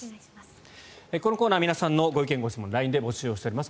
このコーナー皆さんのご意見・ご質問をＬＩＮＥで募集しております。